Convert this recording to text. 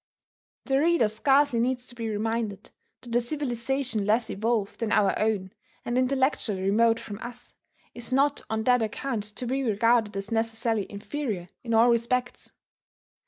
The reader scarcely needs to be reminded that a civilization less evolved than our own, and intellectually remote from us, is not on that account to be regarded as necessarily inferior in all respects.